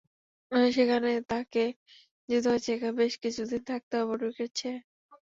সেখানে তাঁকে যেতে হয়েছে একা, বেশ কিছুদিন থাকতে হবে পরিবারকে ছেড়ে।